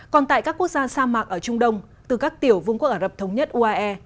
còn tại các quốc gia sa mạc ở trung đông từ các tiểu vương quốc ả rập thống nhất uae